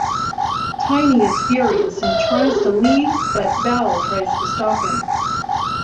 Tiny is furious and tries to leave but Val tries to stop him.